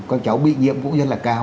các cháu bị nhiễm cũng rất là cao